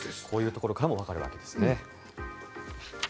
こういうところからもわかるわけですね。